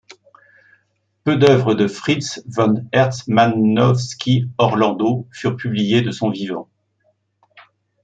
Peu d'œuvres de Fritz von Herzmanovsky-Orlando furent publiées de son vivant.